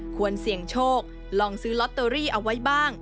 ควรเสี่ยงโชคลองซื้อลอตเตอรี่เอาไว้บ้าง